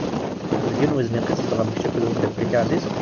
Deg yiwen uzniq i tzedɣem kečč akked umdakel-ik aɛziz?